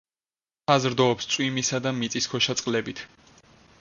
საზრდოობს წვიმისა და მიწისქვეშა წყლებით.